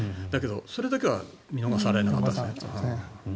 それだけは見逃されなかったですね。